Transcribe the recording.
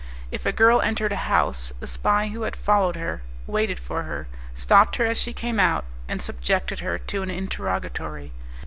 If a girl entered a house, the spy who had followed her, waited for her, stopped her as she came out, and subjected her to an interrogatory.